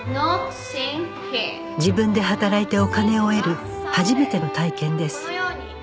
自分で働いてお金を得る初めての体験です